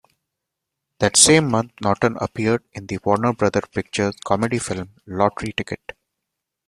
That same month Naughton appeared in the Warner Brothers Pictures comedy film "Lottery Ticket".